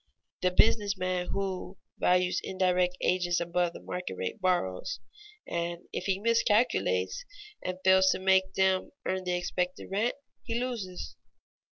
The business man who values indirect agents above the market rate borrows, and if he miscalculates and fails to make them earn the expected rent, he loses.